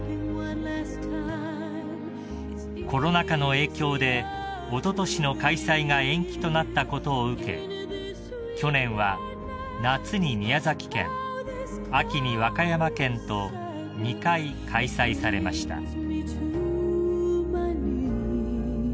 ［コロナ禍の影響でおととしの開催が延期となったことを受け去年は夏に宮崎県秋に和歌山県と２回開催されました］